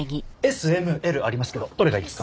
ＳＭＬありますけどどれがいいですか？